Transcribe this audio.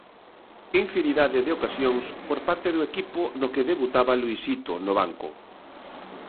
Infinidade de ocasións por parte do equipo no que debutaba Luisito no banco.